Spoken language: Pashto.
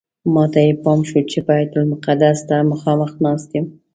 ماته یې پام شو چې بیت المقدس ته مخامخ ناست یم.